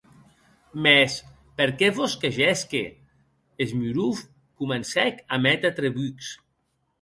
Mès, per qué vòs que gèsque?, Smurov comencèc a méter trebucs.